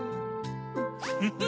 フフフ。